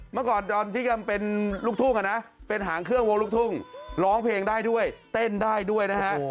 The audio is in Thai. เมื่อก่อนตอนที่ยังเป็นลูกทุ่งเป็นหางเครื่องวงลูกทุ่งร้องเพลงได้ด้วยเต้นได้ด้วยนะฮะ